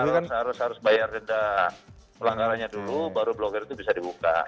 kita harus harus bayar denda pelanggarannya dulu baru blokir itu bisa dibuka